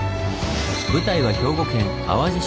舞台は兵庫県淡路島。